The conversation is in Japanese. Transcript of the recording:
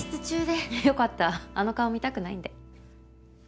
ははっ良かったあの顔見たくないんで。